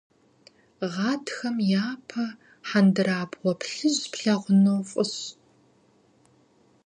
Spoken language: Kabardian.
Гъатхэм япэу хьэндырабгъуэ плъыжь плъагъуну фӏыщ.